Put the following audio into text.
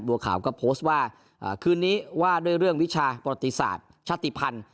บัวขาวก็โพสต์ว่าคืนนี้ว่าด้วยเรื่องวิชาประติศาสตร์ชาติภัณฑ์